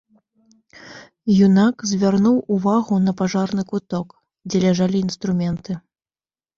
Юнак звярнуў увагу на пажарны куток, дзе ляжалі інструменты.